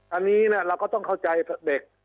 อันนี้เนี่ยเราก็ต้องเข้าใจให้พวกเด็ก